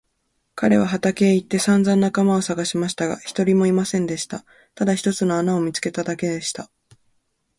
彼は畑へ行ってさんざん仲間をさがしましたが、一人もいませんでした。ただ一つの穴を見つけただけでした。